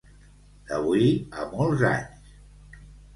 D'avui a molts anys!